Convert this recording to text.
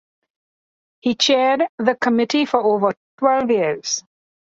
He chaired the committee for over twelve years.